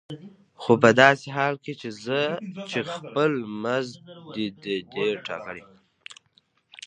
خو په داسې حال کې چې خپل مزد دې دی ټاکلی.